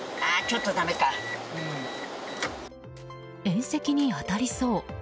縁石に当たりそう。